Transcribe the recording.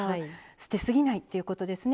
捨てすぎないっていうことですね。